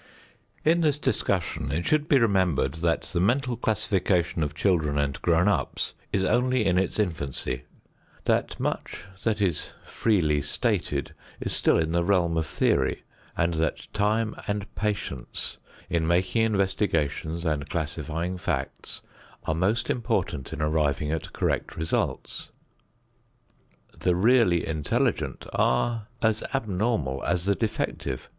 In this discussion it should be remembered that the mental classification of children and grown ups is only in its infancy, that much that is freely stated is still in the realm of theory, and that time and patience in making investigations and classifying facts are most important in arriving at correct results. The really intelligent are as abnormal as the defective.